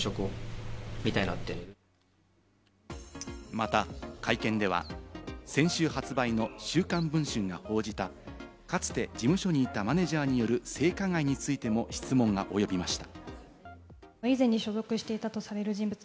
また会見では先週発売の『週刊文春』が報じた、かつて事務所にいたマネジャーによる性加害についても質問がおよびました。